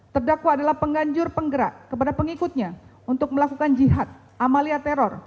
terdakwa adalah pengganjur penggerak kepada pengikutnya untuk melakukan jihad amalia teror